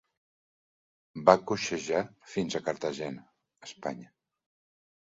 Va coixejar fins a Cartagena, Espanya.